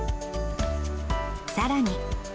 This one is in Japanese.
さらに。